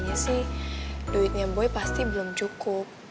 biasanya sih duitnya boy pasti belum cukup